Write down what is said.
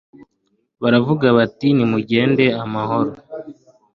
baravuga bati: ni mugende amahoro